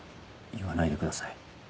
言わないでください。